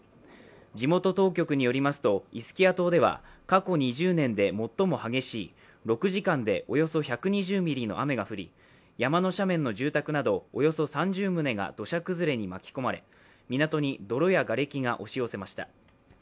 地元当局によりますと、イスキア島では過去２０年で最も激しい６時間でおよそ１２０ミリの雨が降り山の斜面の住宅などおよそ３０棟が土砂崩れに巻き込まれ、港に泥やがれきが押し寄せました。